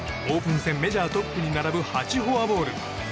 オープン戦メジャートップに並ぶ８フォアボール。